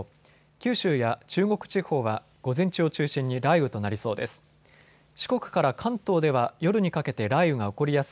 九州や中国地方は午前中を中心に雷雨となりそうです。